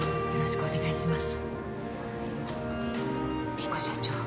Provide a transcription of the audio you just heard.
莉湖社長。